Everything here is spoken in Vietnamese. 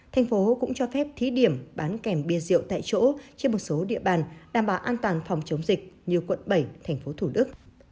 tp hcm cũng cho phép thí điểm bán kèm bia rượu tại chỗ trên một số địa bàn đảm bảo an toàn phòng chống dịch như quận bảy tp hcm